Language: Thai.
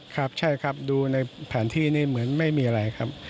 ครับใช่ครับดูในแผนที่นี่เหมือนไม่มีอะไรครับ